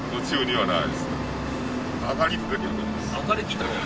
はい。